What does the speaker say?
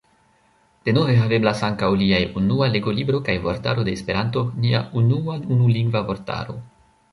Denove haveblas ankaŭ liaj Unua legolibro kaj Vortaro de Esperanto, nia unua unulingva vortaro.